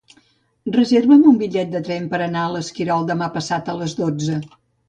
Reserva'm un bitllet de tren per anar a l'Esquirol demà passat a les dotze.